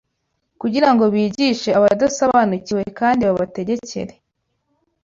kugira ngo bigishe abadasobanukiwe kandi babategekere